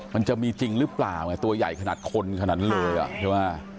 มันจะมีจริงหรือเปล่าตัวใหญ่ขนาดคนขนาดนั้นเลย